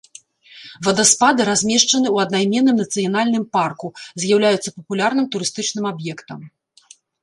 Вадаспады размешчаны ў аднайменным нацыянальным парку, з'яўляюцца папулярным турыстычным аб'ектам.